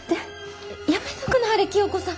やめとくなはれ清子さん。